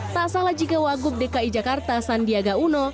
tak salah jika wagub dki jakarta sandiaga uno